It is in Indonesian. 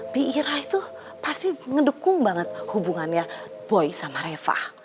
biira itu pasti ngedukung banget hubungannya boy sama reva